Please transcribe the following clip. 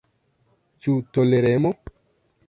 Ĉu toleremo?